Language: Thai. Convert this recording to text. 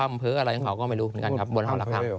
พูดพ่ำเผ้ออะไรของเขาก็ไม่รู้เหมือนกันครับบนหอระคัง